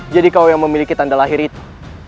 kau yang memiliki tanda lahir itu